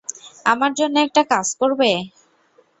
আমার জন্য একটা কাজ করবে?